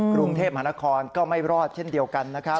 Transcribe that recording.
กรุงเทพมหานครก็ไม่รอดเช่นเดียวกันนะครับ